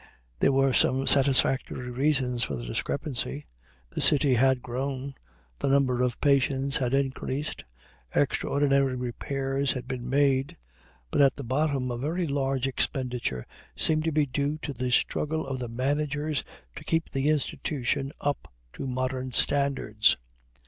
There were some satisfactory reasons for the discrepancy the city had grown, the number of patients had increased, extraordinary repairs had been made but at the bottom a very large expenditure seemed to be due to the struggle of the managers to keep the institution up to modern standards.